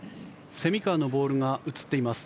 蝉川のボールが映っています。